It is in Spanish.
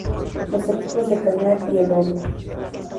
Los equipos de Cañar y El Oro.